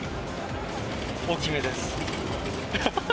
大きめです。